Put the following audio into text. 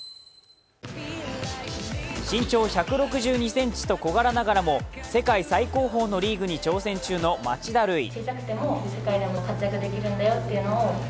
身長１６２ｃｍと小柄ながらも世界最高峰のリーグに挑戦中の町田瑠唯。